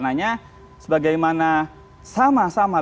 dengan dua gelas lembaga non kementerian lainnya komnas ori kppk